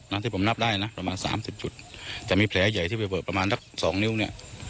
ที่ผมนับได้นะประมาณสามสิบจุดแต่มีแผลใหญ่ที่ไปเบิกประมาณสักสองนิ้วเนี่ย